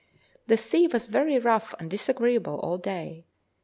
The sea was very rough and disagreeable all day.